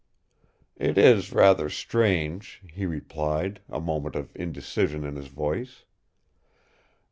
"It is rather strange," he replied, a moment of indecision in his voice.